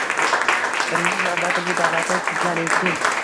Birinchi navbatda bu davlatda sudlar erkin